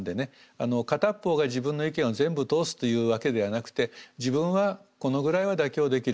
片っ方が自分の意見を全部通すというわけではなくて自分はこのぐらいは妥協できる。